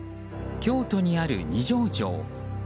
京都にある二条城。